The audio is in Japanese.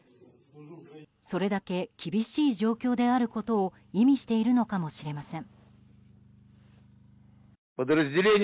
それだけ厳しい状況であることを意味しているのかもしれません。